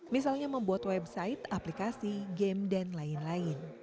misalnya membuat website aplikasi game dan lain lain